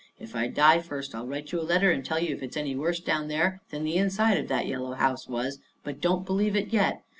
If I die first I'll write you a letter and tell you if it's any worse down there than the inside of that yellow house was; but don't believe it yet.